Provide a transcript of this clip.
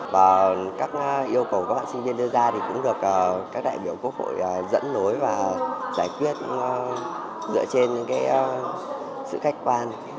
và các yêu cầu của các bạn sinh viên đưa ra thì cũng được các đại biểu quốc hội dẫn nối và giải quyết dựa trên những sự khách quan